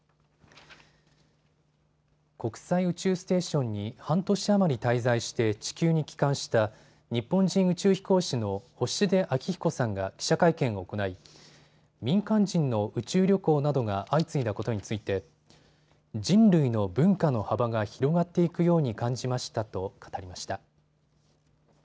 国際宇宙ステーションに半年余り滞在して地球に帰還した日本人宇宙飛行士の星出彰彦さんが記者会見を行い民間人の宇宙旅行などが相次いだことについて人類の文化の幅が広がっていくように感じましたと語りました。